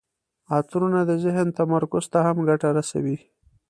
عطرونه د ذهن تمرکز ته هم ګټه رسوي.